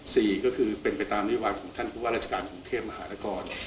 สี่ก็คือเป็นไปตามนโยบายของท่านผู้ว่าราชการกรุงเทพมหานคร